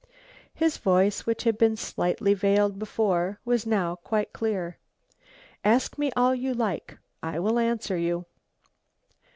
His voice, which had been slightly veiled before, was now quite clear. "Ask me all you like. I will answer you."